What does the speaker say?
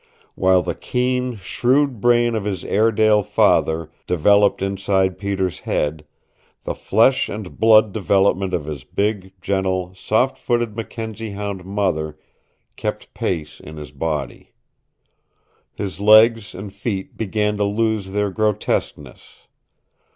While the keen, shrewd brain of his Airedale father developed inside Peter's head, the flesh and blood development of his big, gentle, soft footed Mackenzie hound mother kept pace in his body. His legs and feet began to lose their grotesqueness.